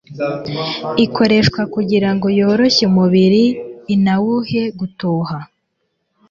Ikoreshwa kugira ngo yoroshye umubiri inawuhe gutoha.